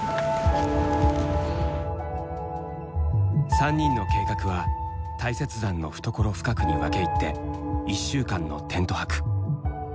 ３人の計画は大雪山の懐深くに分け入って１週間のテント泊。